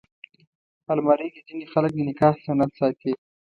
الماري کې ځینې خلک د نکاح سند ساتي